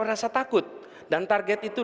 merasa takut dan target itu